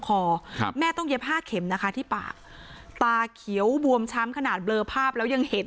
คอครับแม่ต้องเย็บห้าเข็มนะคะที่ปากตาเขียวบวมช้ำขนาดเบลอภาพแล้วยังเห็น